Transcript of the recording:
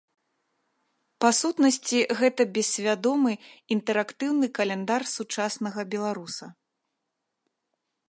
Па сутнасці гэта бессвядомы, інтэрактыўны каляндар сучаснага беларуса.